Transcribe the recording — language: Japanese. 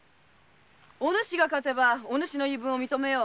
お主が勝てばお主の言い分を認めよう。